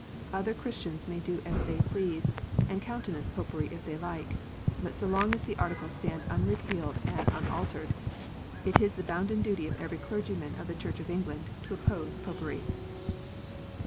Other Christians may do as they please, and countenance Popery if they like. But so long as the Articles stand unrepealed and unaltered, it is the bounden duty of every clergyman of the Church of England to oppose Popery.